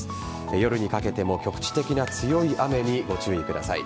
夜にかけても局地的な強い雨にご注意ください。